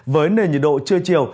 với nền nhiệt độ trưa chiều